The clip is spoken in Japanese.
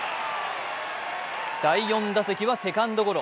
第４打席はセカンドゴロ。